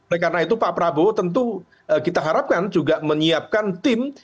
oleh karena itu pak prabowo tentu kita harapkan juga menyiapkan tim